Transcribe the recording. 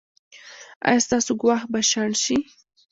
ایا ستاسو ګواښ به شنډ شي؟